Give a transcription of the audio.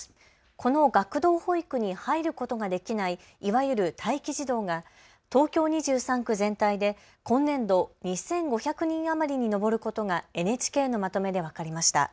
この学童保育に入ることができないいわゆる待機児童が東京２３区全体で今年度２５００人余りに上ることがＮＨＫのまとめで分かりました。